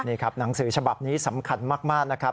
นี่ครับหนังสือฉบับนี้สำคัญมากนะครับ